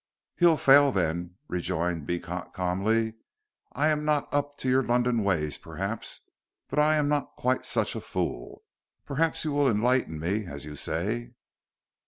"He'll fail then," rejoined Beecot, calmly. "I am not up to your London ways, perhaps, but I am not quite such a fool. Perhaps you will enlighten me as you say."